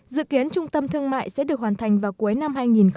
dự kiến trung tâm thương mại sẽ được hoàn thành vào cuối năm hai nghìn một mươi bảy